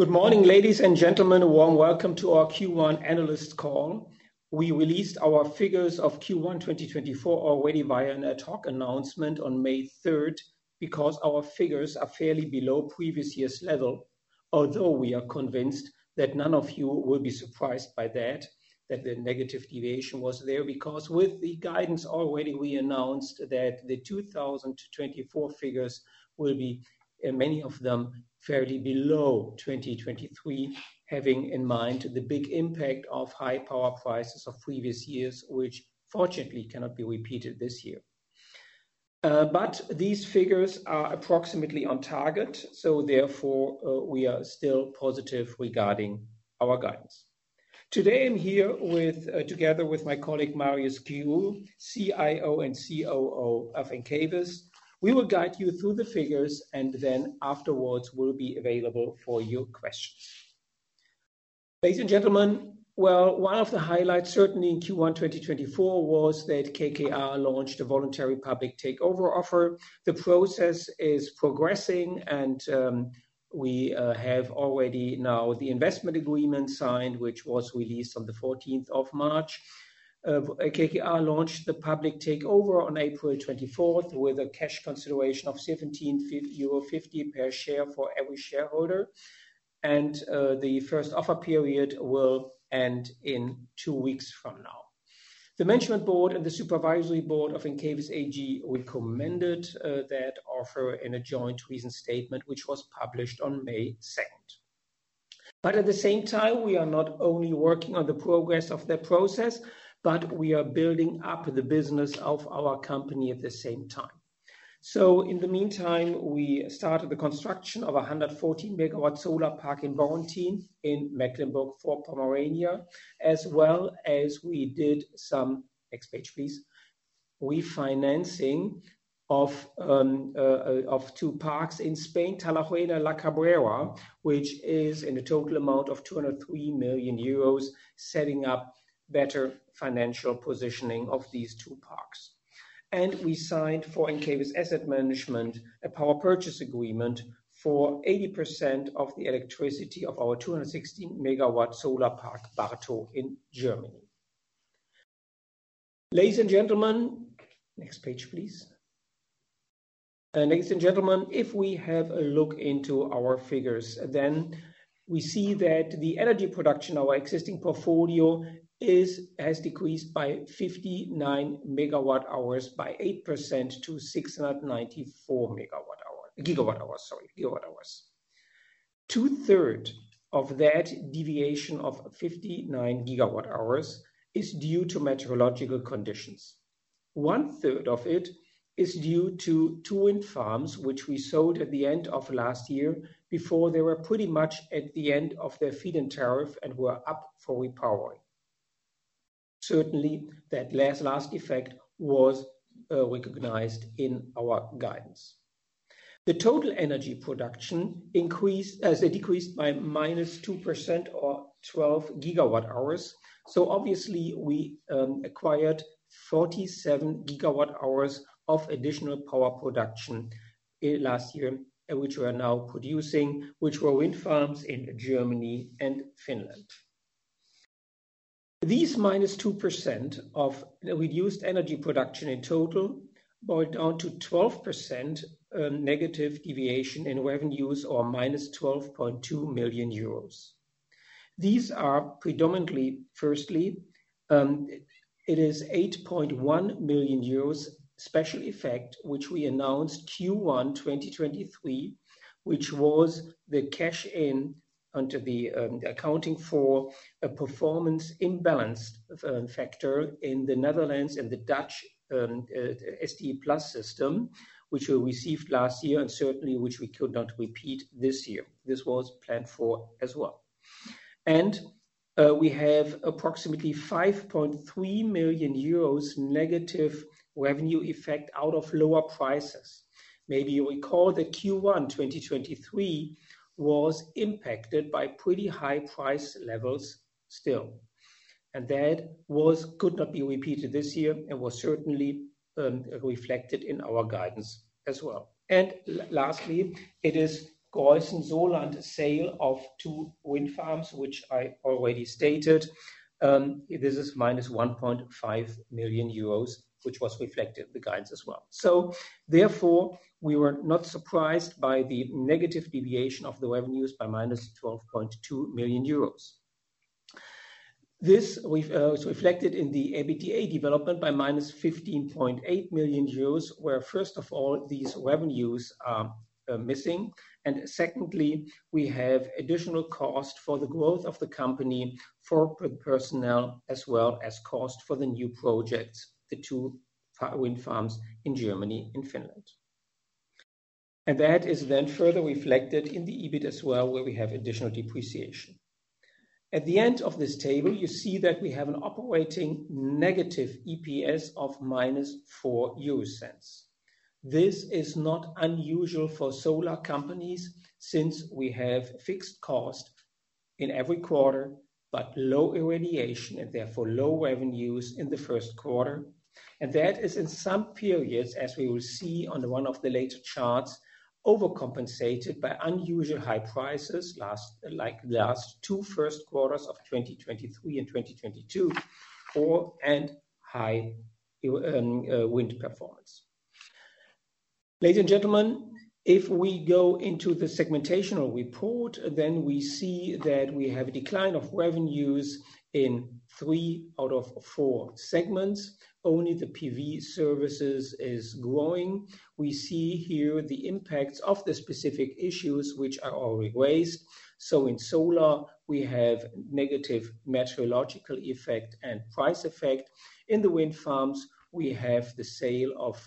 Good morning, ladies and gentlemen, a warm welcome to our Q1 analyst call. We released our figures of Q1 2024 already via ad hoc announcement on May 3rd because our figures are fairly below previous year's level, although we are convinced that none of you will be surprised by that, that the negative deviation was there because with the guidance already we announced that the 2024 figures will be, many of them, fairly below 2023, having in mind the big impact of high power prices of previous years, which fortunately cannot be repeated this year. But these figures are approximately on target, so therefore we are still positive regarding our guidance. Today I'm here together with my colleague Mario Schirru, CIO and COO of Encavis. We will guide you through the figures, and then afterwards we'll be available for your questions. Ladies and gentlemen, well, one of the highlights certainly in Q1 2024 was that KKR launched a voluntary public takeover offer. The process is progressing, and we have already now the investment agreement signed, which was released on the 14th of March. KKR launched the public takeover on April 24th with a cash consideration of 17.50 euro per share for every shareholder, and the first offer period will end in two weeks from now. The management board and the supervisory board of Encavis AG recommended that offer in a joint reasoned statement, which was published on May 2nd. But at the same time, we are not only working on the progress of that process, but we are building up the business of our company at the same time. So in the meantime, we started the construction of a 114 MW solar park in Borrentin in Mecklenburg-Vorpommern, as well as we did some, next page, please, refinancing of two parks in Spain, Talayuela and La Cabrera, which is in a total amount of 203 million euros, setting up better financial positioning of these two parks. We signed for Encavis Asset Management a power purchase agreement for 80% of the electricity of our 216 MW solar park Bartow in Germany. Ladies and gentlemen, next page, please. Ladies and gentlemen, if we have a look into our figures, then we see that the energy production, our existing portfolio, has decreased by 59 GWh by 8% to 694 GWh, GWh, sorry, GWh. Two-thirds of that deviation of 59 GWh is due to meteorological conditions. One-third of it is due to two wind farms, which we sold at the end of last year before they were pretty much at the end of their feed-in tariff and were up for repowering. Certainly, that last effect was recognized in our guidance. The total energy production decreased by -2% or 12 GWh. So obviously, we acquired 47 GWh of additional power production last year, which we are now producing, which were wind farms in Germany and Finland. These -2% of reduced energy production in total boiled down to 12% negative deviation in revenues or minus 12.2 million euros. These are predominantly, firstly, it is 8.1 million euros special effect, which we announced Q1 2023, which was the cash-in under the accounting for a performance imbalance factor in the Netherlands and the Dutch SDE Plus system, which we received last year and certainly which we could not repeat this year. This was planned for as well. And we have approximately 5.3 million euros negative revenue effect out of lower prices. Maybe you recall that Q1 2023 was impacted by pretty high price levels still, and that could not be repeated this year and was certainly reflected in our guidance as well. And lastly, it is Greußen-Sohland sale of two wind farms, which I already stated. This is minus 1.5 million euros, which was reflected in the guidance as well. So therefore, we were not surprised by the negative deviation of the revenues by minus 12.2 million euros. This was reflected in the EBITDA development by minus 15.8 million euros, where first of all, these revenues are missing. Secondly, we have additional cost for the growth of the company for personnel as well as cost for the new projects, the two wind farms in Germany and Finland. That is then further reflected in the EBIT as well, where we have additional depreciation. At the end of this table, you see that we have an operating negative EPS of minus 4 euro. This is not unusual for solar companies since we have fixed cost in every quarter but low irradiation and therefore low revenues in the first quarter. That is in some periods, as we will see on one of the later charts, overcompensated by unusual high prices like the last two first quarters of 2023 and 2022 and high wind performance. Ladies and gentlemen, if we go into the segmentational report, then we see that we have a decline of revenues in three out of four segments. Only the PV services are growing. We see here the impacts of the specific issues, which are already raised. So in solar, we have negative meteorological effect and price effect. In the wind farms, we have the sale of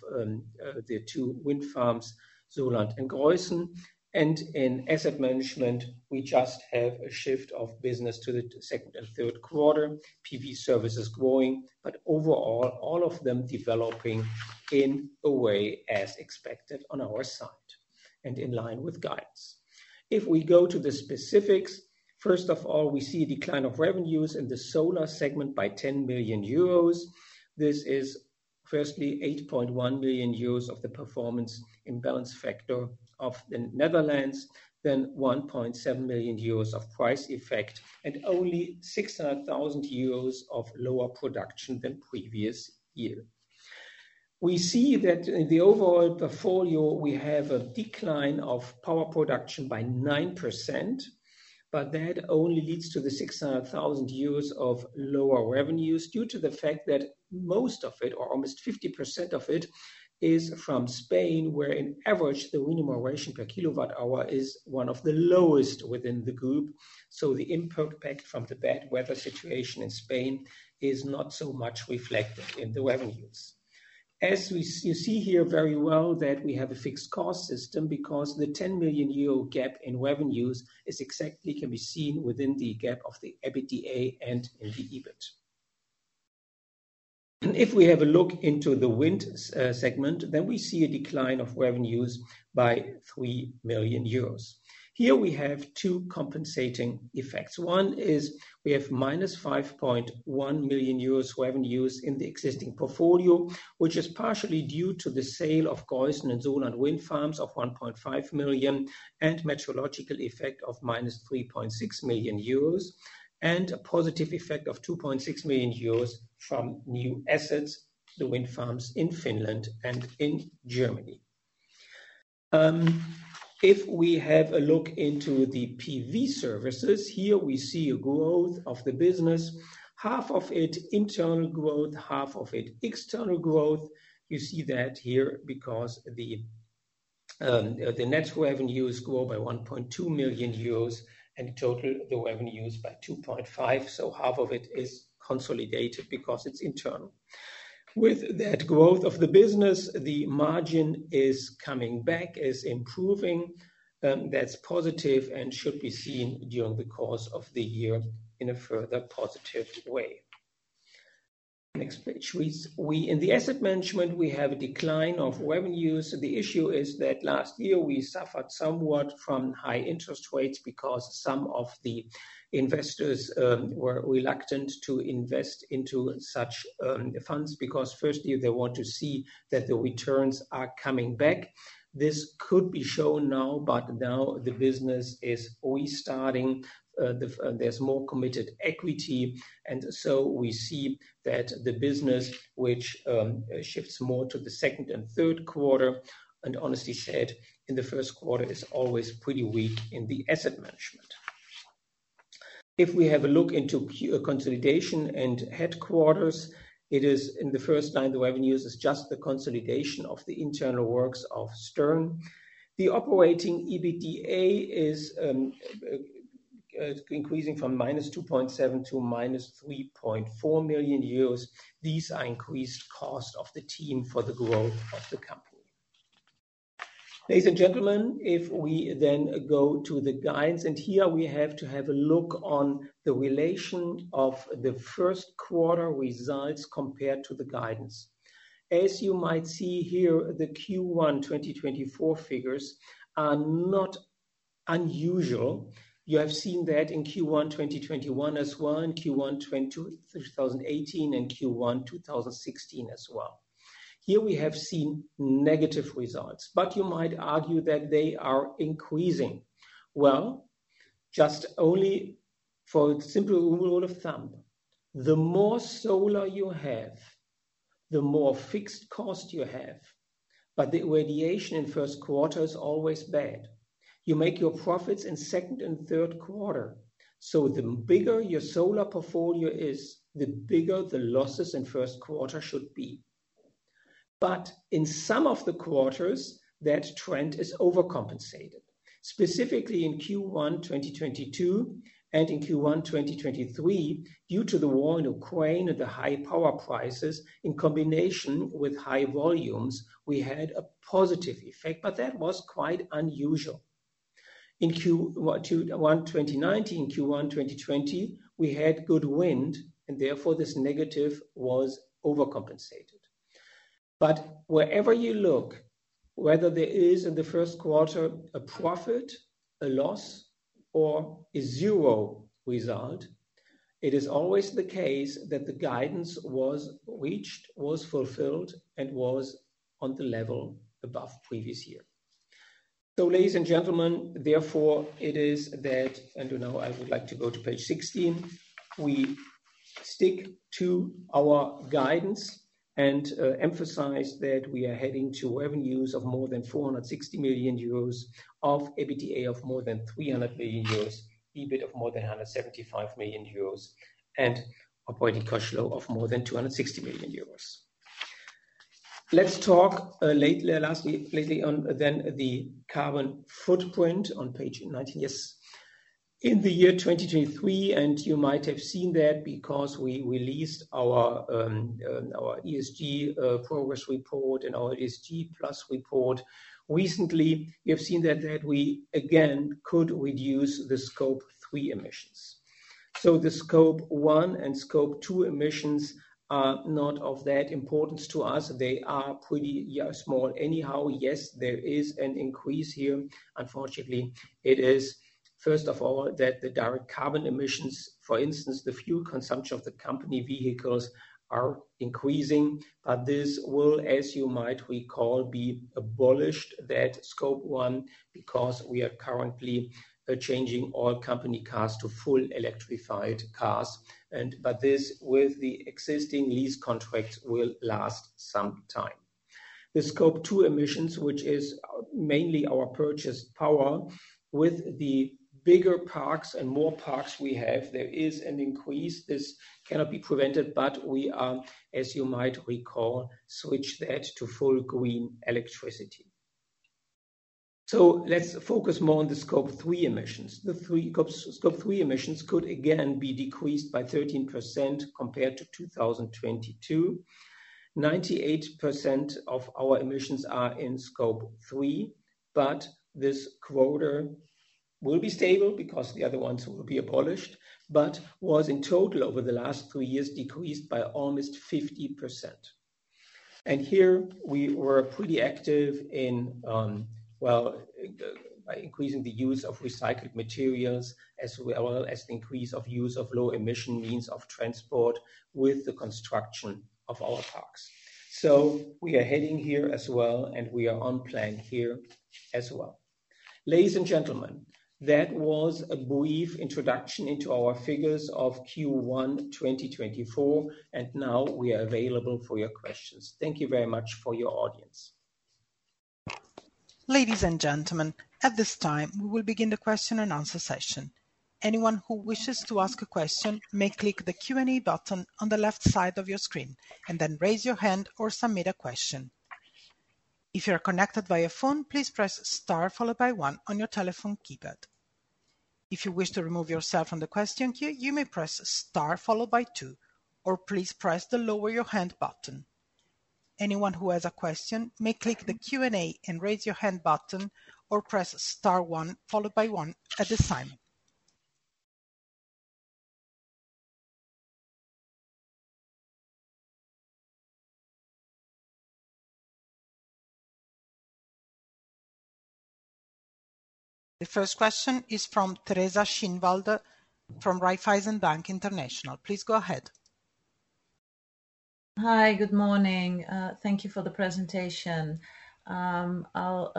the two wind farms, Sohland and Greußen. And in asset management, we just have a shift of business to the second and third quarter, PV services growing, but overall, all of them developing in a way as expected on our side and in line with guidance. If we go to the specifics, first of all, we see a decline of revenues in the solar segment by 10 million euros. This is firstly 8.1 million euros of the performance imbalance factor of the Netherlands, then 1.7 million euros of price effect, and only 600,000 euros of lower production than previous year. We see that in the overall portfolio, we have a decline of power production by 9%, but that only leads to the 600,000 of lower revenues due to the fact that most of it, or almost 50% of it, is from Spain, where on average, the minimum operation per kilowatt hour is one of the lowest within the group. So the impact from the bad weather situation in Spain is not so much reflected in the revenues. As you see here very well, that we have a fixed cost system because the 10 million euro gap in revenues can be seen within the gap of the EBITDA and in the EBIT. If we have a look into the wind segment, then we see a decline of revenues by 3 million euros. Here we have two compensating effects. One is we have minus 5.1 million euros revenues in the existing portfolio, which is partially due to the sale of Greußen and Sohland wind farms of 1.5 million and meteorological effect of minus 3.6 million euros and a positive effect of 2.6 million euros from new assets, the wind farms in Finland and in Germany. If we have a look into the PV services, here we see a growth of the business, half of it internal growth, half of it external growth. You see that here because the net revenues grow by 1.2 million euros and total the revenues by 2.5. So half of it is consolidated because it's internal. With that growth of the business, the margin is coming back, is improving. That's positive and should be seen during the course of the year in a further positive way. Next page, please. In the asset management, we have a decline of revenues. The issue is that last year we suffered somewhat from high interest rates because some of the investors were reluctant to invest into such funds because firstly, they want to see that the returns are coming back. This could be shown now, but now the business is restarting. There's more committed equity, and so we see that the business, which shifts more to the second and third quarter, and honestly said, in the first quarter is always pretty weak in the asset management. If we have a look into consolidation and headquarters, in the first line, the revenues are just the consolidation of the internal works of Stern. The operating EBITDA is increasing from -2.7 million to -3.4 million euros. These are increased costs of the team for the growth of the company. Ladies and gentlemen, if we then go to the guidance, and here we have to have a look on the relation of the first quarter results compared to the guidance. As you might see here, the Q1 2024 figures are not unusual. You have seen that in Q1 2021 as well, in Q1 2018 and Q1 2016 as well. Here we have seen negative results, but you might argue that they are increasing. Well, just only for a simple rule of thumb, the more solar you have, the more fixed cost you have, but the irradiation in first quarter is always bad. You make your profits in second and third quarter. So the bigger your solar portfolio is, the bigger the losses in first quarter should be. In some of the quarters, that trend is overcompensated, specifically in Q1 2022 and in Q1 2023 due to the war in Ukraine and the high power prices. In combination with high volumes, we had a positive effect, but that was quite unusual. In Q1 2019 and Q1 2020, we had good wind, and therefore this negative was overcompensated. Wherever you look, whether there is in the first quarter a profit, a loss, or a zero result, it is always the case that the guidance was reached, was fulfilled, and was on the level above previous year. So ladies and gentlemen, therefore, it is that, and now I would like to go to page 16, we stick to our guidance and emphasize that we are heading to revenues of more than 460 million euros, of EBITDA of more than 300 million euros, EBIT of more than 175 million euros, and operating cash flow of more than 260 million euros. Let's talk lately on then the carbon footprint on page 19. Yes. In the year 2023, and you might have seen that because we released our ESG progress report and our ESG Plus report recently, you have seen that we again could reduce the Scope 3 emissions. So the Scope 1 and Scope 2 emissions are not of that importance to us. They are pretty small anyhow. Yes, there is an increase here. Unfortunately, it is first of all that the direct carbon emissions, for instance, the fuel consumption of the company vehicles, are increasing. But this will, as you might recall, be abolished, that Scope 1, because we are currently changing all company cars to full electrified cars. But this with the existing lease contracts will last some time. The Scope 2 emissions, which is mainly our purchased power, with the bigger parks and more parks we have, there is an increase. This cannot be prevented, but we are, as you might recall, switched that to full green electricity. So let's focus more on the Scope 3 emissions. The Scope 3 emissions could again be decreased by 13% compared to 2022. 98% of our emissions are in Scope 3, but this quarter will be stable because the other ones will be abolished, but was in total over the last three years decreased by almost 50%. Here we were pretty active in, well, by increasing the use of recycled materials as well as the increase of use of low emission means of transport with the construction of our parks. We are heading here as well, and we are on plan here as well. Ladies and gentlemen, that was a brief introduction into our figures of Q1 2024, and now we are available for your questions. Thank you very much for your audience. Ladies and gentlemen, at this time, we will begin the question and answer session. Anyone who wishes to ask a question may click the Q&A button on the left side of your screen and then raise your hand or submit a question. If you are connected via phone, please press star followed by one on your telephone keypad. If you wish to remove yourself from the question queue, you may press star followed by two or please press the lower your hand button. Anyone who has a question may click the Q&A and raise your hand button or press star one followed by one at the time. The first question is from Teresa Schinwald from Raiffeisen Bank International. Please go ahead. Hi, good morning. Thank you for the presentation. I'll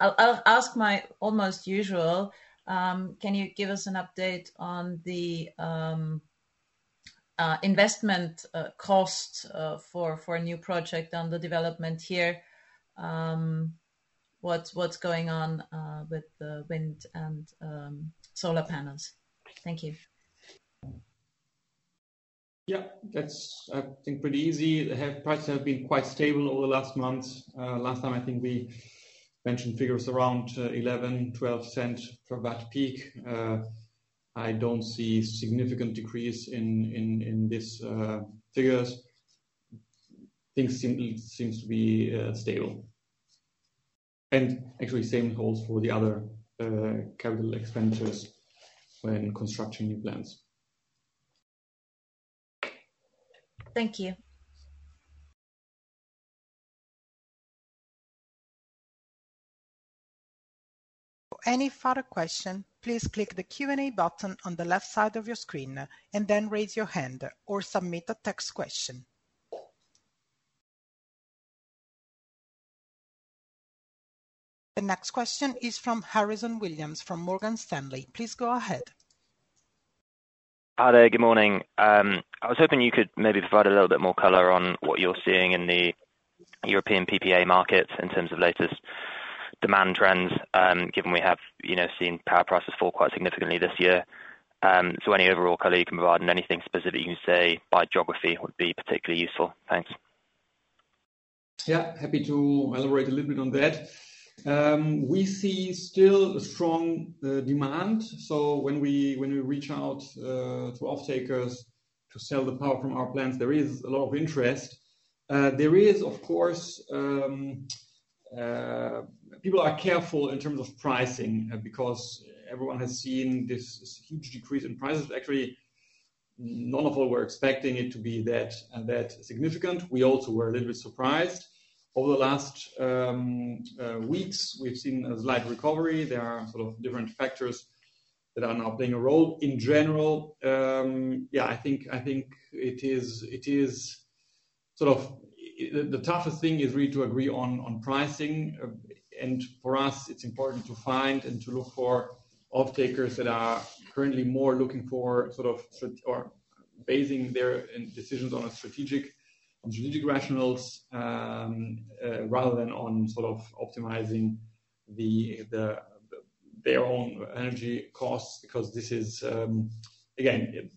ask my almost usual, can you give us an update on the investment cost for a new project on the development here? What's going on with the wind and solar panels? Thank you. Yeah, that's, I think, pretty easy. Prices have been quite stable over the last months. Last time, I think we mentioned figures around 11-12 cents per watt peak. I don't see significant decrease in these figures. Things seem to be stable. Actually, same holds for the other capital expenditures when constructing new plants. Thank you. For any further question, please click the Q&A button on the left side of your screen and then raise your hand or submit a text question. The next question is from Harrison Williams from Morgan Stanley. Please go ahead. Hi there. Good morning. I was hoping you could maybe provide a little bit more color on what you're seeing in the European PPA markets in terms of latest demand trends, given we have seen power prices fall quite significantly this year. So any overall color you can provide and anything specific you can say by geography would be particularly useful. Thanks. Yeah, happy to elaborate a little bit on that. We see still a strong demand. So when we reach out to offtakers to sell the power from our plants, there is a lot of interest. There is, of course, people are careful in terms of pricing because everyone has seen this huge decrease in prices. Actually, none of us were expecting it to be that significant. We also were a little bit surprised. Over the last weeks, we've seen a slight recovery. There are sort of different factors that are now playing a role. In general, yeah, I think it is sort of the toughest thing is really to agree on pricing. And for us, it's important to find and to look for offtakers that are currently more looking for sort of or basing their decisions on strategic rationales rather than on sort of optimizing their own energy costs because this is, again,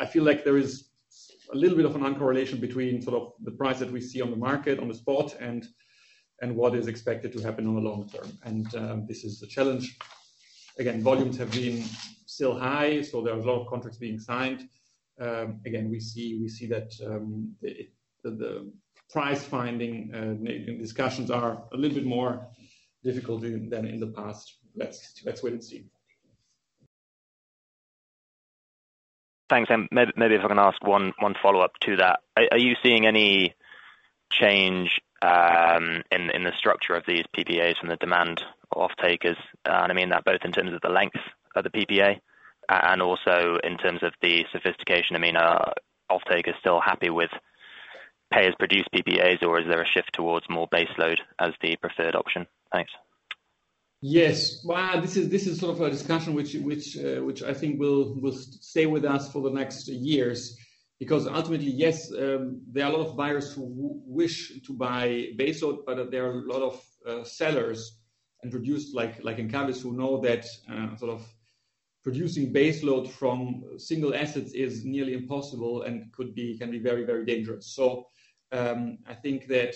I feel like there is a little bit of an uncorrelation between sort of the price that we see on the market on the spot and what is expected to happen on the long term. And this is the challenge. Again, volumes have been still high, so there are a lot of contracts being signed. Again, we see that the price finding discussions are a little bit more difficult than in the past. Let's wait and see. Thanks. And maybe if I can ask one follow-up to that, are you seeing any change in the structure of these PPAs from the demand offtakers? And I mean that both in terms of the length of the PPA and also in terms of the sophistication. I mean, are offtakers still happy with pay-as-produced PPAs, or is there a shift towards more baseload as the preferred option? Thanks. Yes. Well, this is sort of a discussion which I think will stay with us for the next years because ultimately, yes, there are a lot of buyers who wish to buy baseload, but there are a lot of sellers and producers like Encavis who know that sort of producing baseload from single assets is nearly impossible and can be very, very dangerous. So I think that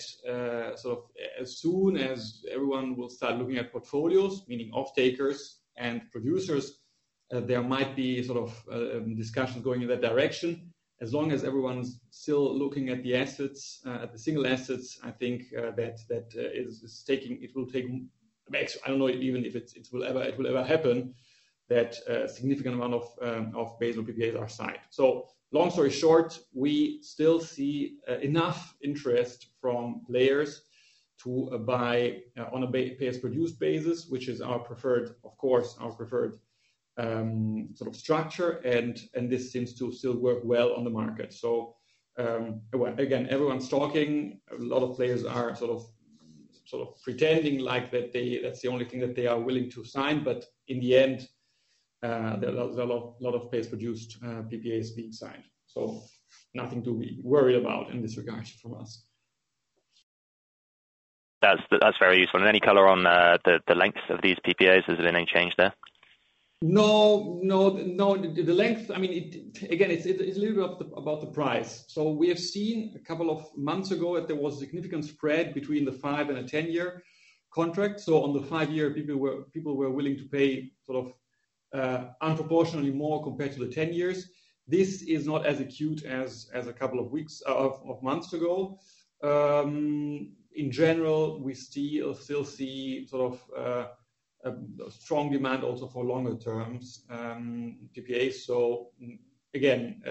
sort of as soon as everyone will start looking at portfolios, meaning offtakers and producers, there might be sort of discussions going in that direction. As long as everyone's still looking at the assets, at the single assets, I think that it will take, I don't know even if it will ever happen, that a significant amount of baseload PPAs are signed. So long story short, we still see enough interest from players to buy on a pay-as-produced basis, which is, of course, our preferred sort of structure, and this seems to still work well on the market. So again, everyone's talking. A lot of players are sort of pretending that that's the only thing that they are willing to sign, but in the end, there are a lot of pay-as-produced PPAs being signed. So nothing to be worried about in this regard from us. That's very useful. Any color on the length of these PPAs? Has there been any change there? No, no, no. The length, I mean, again, it's a little bit about the price. So we have seen a couple of months ago that there was a significant spread between the 5-year and 10-year contract. So on the 5-year, people were willing to pay sort of disproportionately more compared to the 10-year. This is not as acute as a couple of weeks or months ago. In general, we still see sort of strong demand also for longer-term PPAs. So again,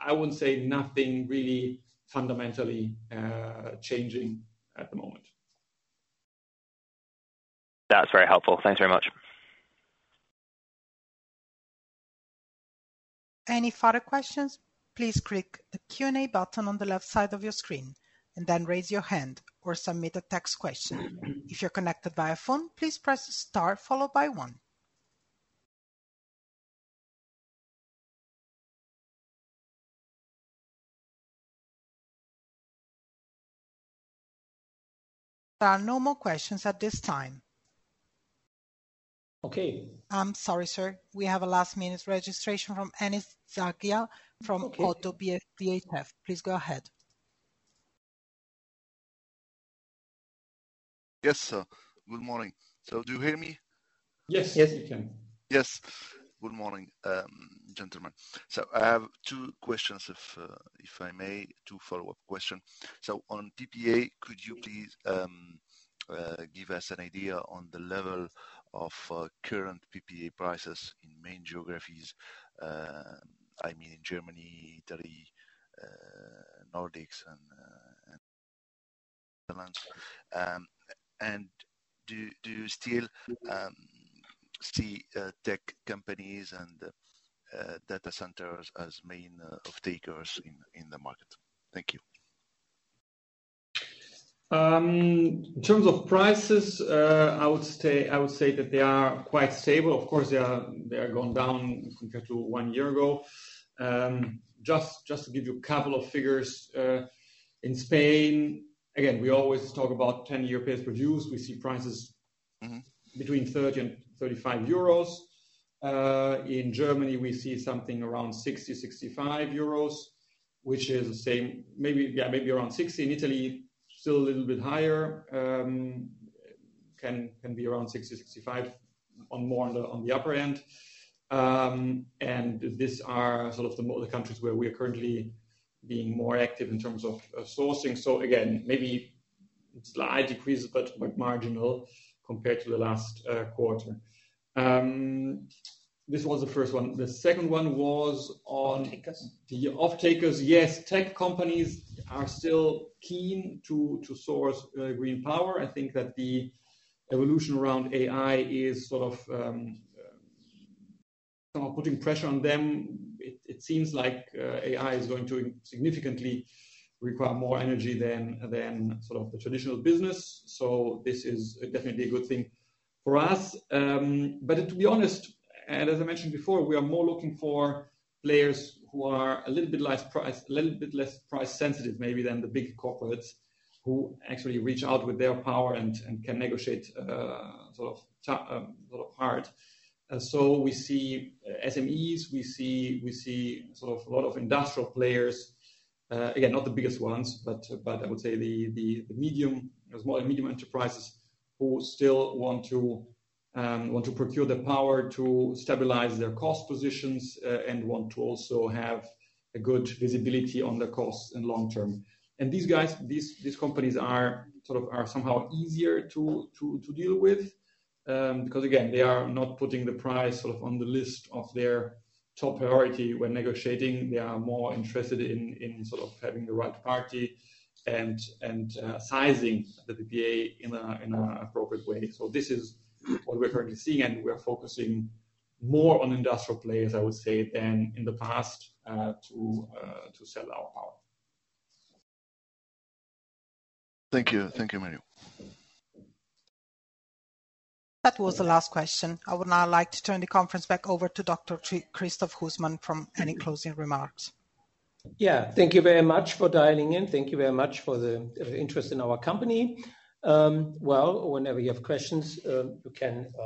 I wouldn't say nothing really fundamentally changing at the moment. That's very helpful. Thanks very much. Any further questions? Please click the Q&A button on the left side of your screen and then raise your hand or submit a text question. If you're connected via phone, please press star followed by one. There are no more questions at this time. Okay. Sorry, sir. We have a last-minute registration from Anis Zgaya from ODDO BHF. Please go ahead. Yes, sir. Good morning. So do you hear me? Yes, you can. Yes. Good morning, gentlemen. So I have two questions, if I may, two follow-up questions. So on PPA, could you please give us an idea on the level of current PPA prices in main geographies? I mean, in Germany, Italy, Nordics, and Netherlands. And do you still see tech companies and data centers as main offtakers in the market? Thank you. In terms of prices, I would say that they are quite stable. Of course, they have gone down compared to one year ago. Just to give you a couple of figures, in Spain, again, we always talk about 10-year pay-as-produced. We see prices between 30-35 euros. In Germany, we see something around 60-65 euros, which is the same. Yeah, maybe around 60. In Italy, still a little bit higher. Can be around 60-65, more on the upper end. And these are sort of the countries where we are currently being more active in terms of sourcing. So again, maybe a slight decrease, but marginal compared to the last quarter. This was the first one. The second one was on offtakers. The offtakers, yes, tech companies are still keen to source green power. I think that the evolution around AI is sort of putting pressure on them. It seems like AI is going to significantly require more energy than sort of the traditional business. So this is definitely a good thing for us. But to be honest, and as I mentioned before, we are more looking for players who are a little bit less price-sensitive, maybe, than the big corporates who actually reach out with their power and can negotiate sort of hard. So we see SMEs. We see sort of a lot of industrial players. Again, not the biggest ones, but I would say the small and medium enterprises who still want to procure the power to stabilize their cost positions and want to also have a good visibility on their costs in the long term. And these guys, these companies are somehow easier to deal with because, again, they are not putting the price sort of on the list of their top priority when negotiating. They are more interested in sort of having the right party and sizing the PPA in an appropriate way. So this is what we're currently seeing, and we are focusing more on industrial players, I would say, than in the past to sell our power. Thank you. Thank you, Mario. That was the last question. I would now like to turn the conference back over to Dr. Christoph Husmann for any closing remarks. Yeah, thank you very much for dialing in. Thank you very much for the interest in our company. Well, whenever you have questions, you can.